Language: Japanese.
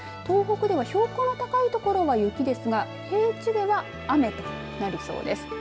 東北では標高の高い所は雪ですが平地では雨となるそうです。